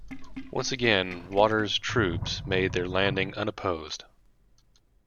Once again, Waters' troops made their landing unopposed.